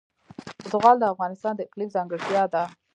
زغال د افغانستان د اقلیم ځانګړتیا ده.